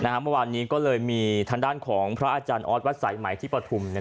เมื่อวานนี้ก็เลยมีทางด้านของพระอาจารย์ออสวัดสายใหม่ที่ปฐุม